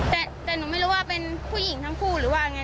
แต่หนูไม่รู้ว่าเป็นผู้หญิงทั้งคู่หรือว่าไง